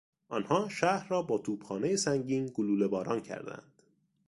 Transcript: آنها شهر را با توپخانه سنگین گلوله باران کردند.